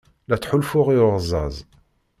La ttḥulfuɣ i uɣẓaẓ.